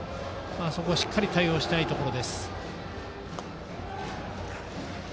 そこをしっかり対応したいところ。